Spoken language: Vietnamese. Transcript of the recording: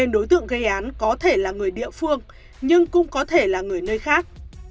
đối tượng gây án có thể là người địa phương nhưng cũng có thể là người nơi khác